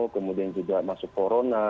kemudian juga masuk corona